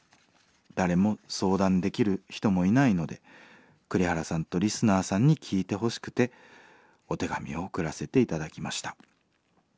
誰も相談できる人もいないので栗原さんとリスナーさんに聞いてほしくてお手紙を送らせて頂きました。